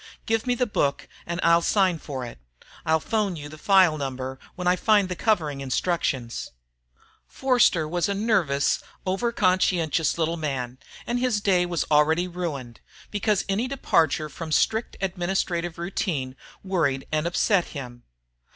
Give me the book and I'll sign for it. I'll phone you the file number when I find the covering instructions." Forster was a nervous, over conscientious little man, and his day was already ruined, because any departure from strict administrative routine worried and upset him.